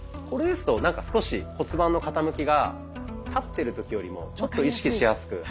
これですとなんか少し骨盤の傾きが立ってる時よりもちょっと意識しやすく。